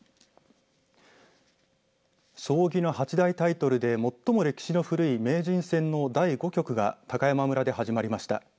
将棋の八大タイトルで最も歴史の古い名人戦の第５局が高山村で始まりました。